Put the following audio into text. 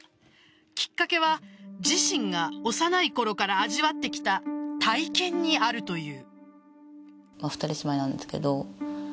きっかけは自身が幼いころから味わってきた体験にあるという。